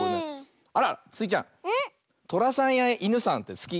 あらスイちゃんとらさんやいぬさんってすき？